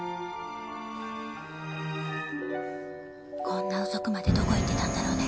こんな遅くまでどこ行ってたんだろうね。